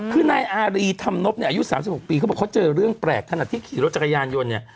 คือนายอารีธรรมนบเนี่ยอายุ๓๖ปีเขาบอกเขาเจอเรื่องแปลกขนาดที่ขี่รถจักรยานยนต์เนี่ย